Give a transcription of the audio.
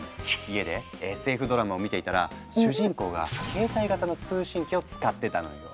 家でＳＦドラマを見ていたら主人公が携帯型の通信機を使ってたのよ。